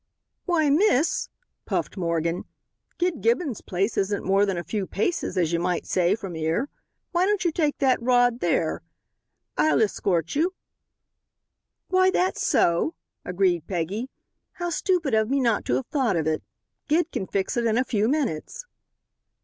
"Why, miss," puffed Morgan, "Gid Gibbon's place isn't more than a few paces, as you might say, from 'ere. Why don't you take that rod there? Hi'll h'escort yer." "Why, that's so," agreed Peggy, "how stupid of me not to have thought of it. Gid can fix it in a few minutes."